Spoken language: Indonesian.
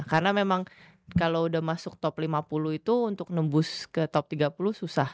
karena memang kalau udah masuk top lima puluh itu untuk nembus ke top tiga puluh susah